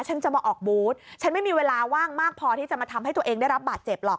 ฉันจะมาออกบูธฉันไม่มีเวลาว่างมากพอที่จะมาทำให้ตัวเองได้รับบาดเจ็บหรอก